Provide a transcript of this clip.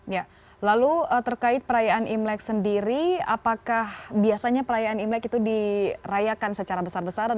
ya lalu terkait perayaan imlek sendiri apakah biasanya perayaan imlek itu dirayakan secara besar besaran